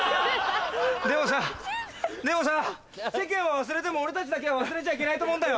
でもさでもさ世間は忘れても俺たちだけは忘れちゃいけないと思うんだよ。